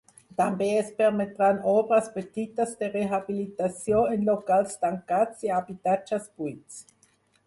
També es permetran obres petites de rehabilitació en locals tancats i a habitatges buits.